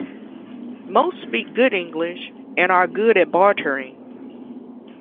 Most speak good English and are good at bartering.